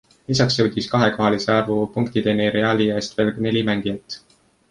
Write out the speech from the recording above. Lisaks jõudis kahekohalise arvu punktideni Reali eest veel neli mängijat.